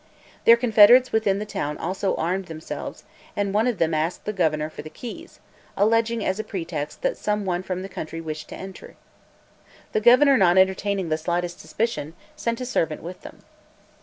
Their confederates within the town also armed themselves, and one of them asked the governor for the keys, alleging, as a pretext, that some one from the country wished to enter. The governor not entertaining the slightest suspicion, sent a servant with them.